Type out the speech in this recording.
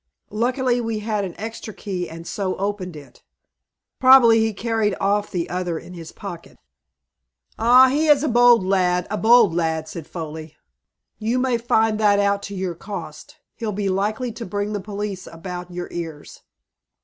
Luckily we had an extra key, and so opened it." "Probably he carried off the other in his pocket." "Ah, he is a bold lad, a bold lad," said Foley. "You may find that out to your cost. He'll be likely to bring the police about your ears."